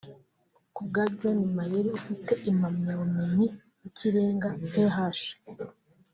Kubwa John Mayer ufite impamyabumenyi y’ikirenga(Ph